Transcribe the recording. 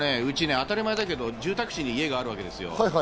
当たり前だけどうち、住宅地に家があるわけですよ。